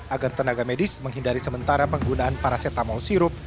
agar tenaga medis menghindari sementara penggunaan paracetamol sirup